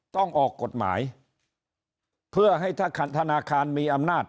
ต้องออกกฎหมายเพื่อให้ถ้าธนาคารมีอำนาจ